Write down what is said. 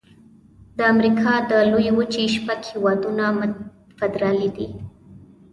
د امریکا د لویې وچې شپږ هيوادونه فدرالي دي.